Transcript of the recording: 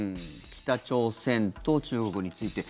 北朝鮮と中国について。